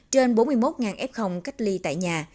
trên bốn mươi một f cách ly tại nhà